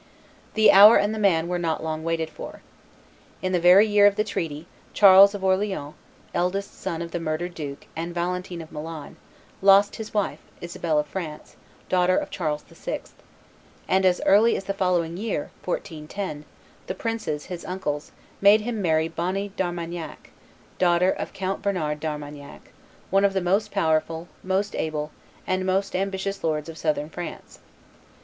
The hour and the man were not long waited for. In the very year of the treaty, Charles of Orleans, eldest son of the murdered duke and Valentine of Milan, lost his wife, Isabel of France, daughter of Charles VI.; and as early as the following year (1410) the princes, his uncles, made him marry Bonne d'Armagnac, daughter of Count Bernard d'Armagnac, one of the most powerful, the most able, and the most ambitious lords of Southern France.